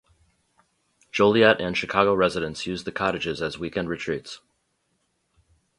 Joliet and Chicago residents used the cottages as weekend retreats.